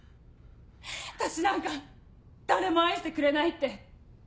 私なんか誰も愛してくれないって。